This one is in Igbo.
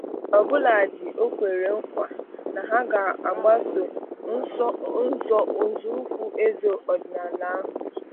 ọbụladị dịka o kwere nkwà na ha ga-gbaso nzọụkwụ eze ọdịnala ahụ